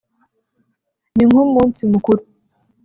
ni nk’umunsi mukuru [